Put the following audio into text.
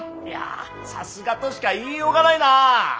いやさすがとしか言いようがないな。